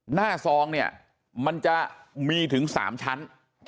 ซองเนี่ยมันจะมีถึง๓ชั้น